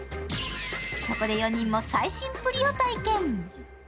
そこで４人も最新プリを体験。